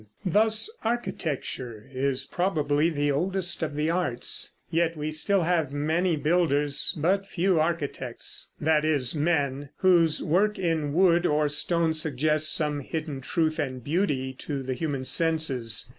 Thus architecture is probably the oldest of the arts; yet we still have many builders but few architects, that is, men whose work in wood or stone suggests some hidden truth and beauty to the human senses.